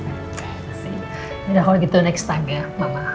terima kasih ya kalau gitu next time ya mama